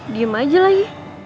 diem aja lagi